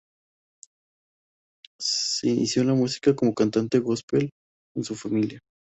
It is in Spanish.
Se inició en la música como cantante gospel con su familia.